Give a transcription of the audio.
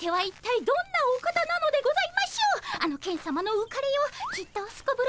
あのケンさまのうかれようきっとすこぶる